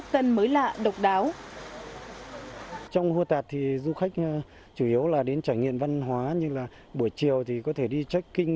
trong hua tạc thì du khách chủ yếu là đến trải nghiệm văn hóa như là buổi chiều thì có thể đi check in